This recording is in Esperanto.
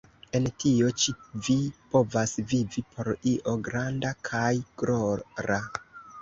En tio ĉi vi povas vivi por io granda kaj glora.